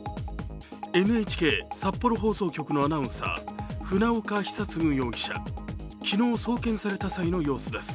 ＮＨＫ札幌放送局のアナウンサー船岡久嗣容疑者、昨日、送検された際の様子です。